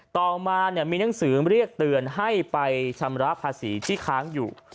ต่อมามีหนังสือเรียกเตือนให้ไปชำระภาษีที่ค้างอยู่